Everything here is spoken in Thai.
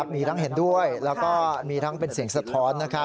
มีทั้งเห็นด้วยแล้วก็มีทั้งเป็นเสียงสะท้อน